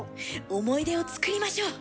思い出を作りましょう。